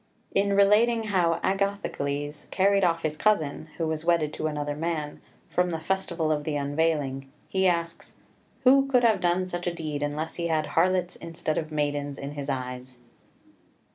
In relating how Agathocles carried off his cousin, who was wedded to another man, from the festival of the unveiling, he asks, "Who could have done such a deed, unless he had harlots instead of maidens in his eyes?"